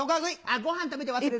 ごはん食べて忘れる。